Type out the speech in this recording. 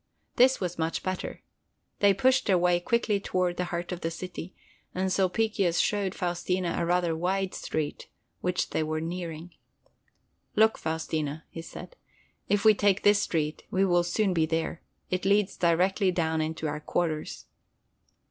This was much better. They pushed their way quickly toward the heart of the city, and Sulpicius showed Faustina a rather wide street, which they were nearing. "Look, Faustina," he said, "if we take this street, we will soon be there. It leads directly down to our quarters."